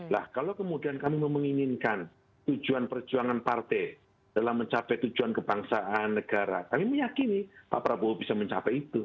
nah kalau kemudian kami menginginkan tujuan perjuangan partai dalam mencapai tujuan kebangsaan negara kami meyakini pak prabowo bisa mencapai itu